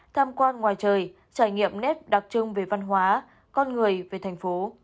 tham quan ngoài trời trải nghiệm nét đặc trưng về văn hóa con người về thành phố